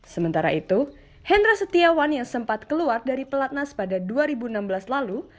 sementara itu hendra setiawan yang sempat keluar dari pelatnas pada dua ribu enam belas lalu